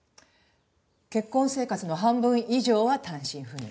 結婚生活の半分以上は単身赴任。